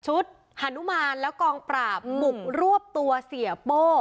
ฮานุมานและกองปราบบุกรวบตัวเสียโป้